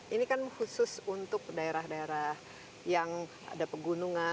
ini kan khusus untuk daerah daerah yang ada pegunungan